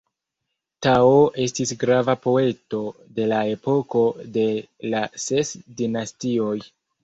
Tao estis grava poeto de la epoko de la Ses Dinastioj.